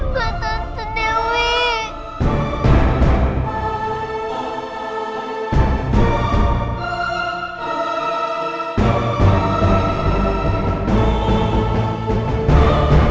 kau tahu tanda dewi